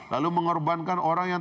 lalu mengorbankan orang yang